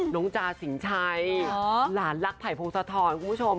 น้องจาร์สิงใช่หลานรักไผ่พรงสะทอนคุณผู้ชม